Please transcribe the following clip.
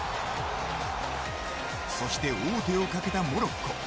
そして王手をかけたモロッコ。